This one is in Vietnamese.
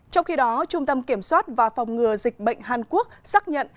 trong khi đó trung tâm kiểm soát và phòng ngừa dịch bệnh hàn quốc xác nhận